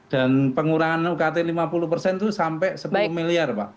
dan pengurangan ukt lima puluh itu sampai sepuluh miliar pak